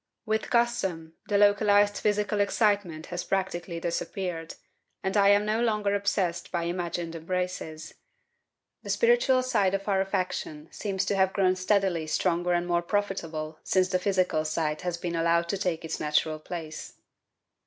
With custom, the localized physical excitement has practically disappeared, and I am no longer obsessed by imagined embraces. The spiritual side of our affection seems to have grown steadily stronger and more profitable since the physical side has, been allowed to take its natural place."